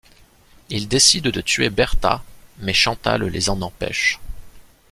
Ils décident de tuer Berta mais Chantal les en empêche.